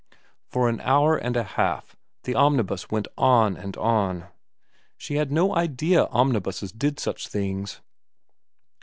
For an hour and a half the omnibus went on and on. She had no idea omnibuses did such things.